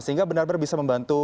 sehingga benar benar bisa membantu